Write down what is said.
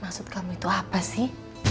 maksud kamu itu apa sih